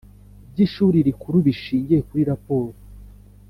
by Ishuri Rikuru bishingiye kuri raporo